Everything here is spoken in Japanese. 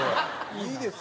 いいですよ。